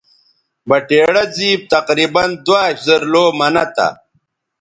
بٹیڑہ زِیب تقریباً دواش زر لَو منہ تھا